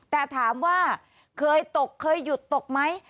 แต่ถามว่าเคยตกเคยหยุดตกไหม